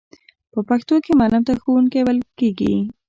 په پښتو کې معلم ته ښوونکی ویل کیږی.